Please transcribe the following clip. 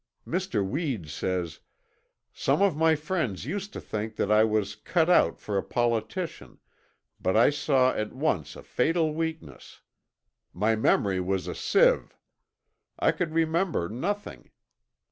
Mr. Weed says: "Some of my friends used to think that I was 'cut out' for a politician, but I saw at once a fatal weakness. My memory was a sieve. I could remember nothing.